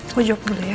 gue jawab dulu ya